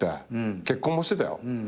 結婚もしてたよ。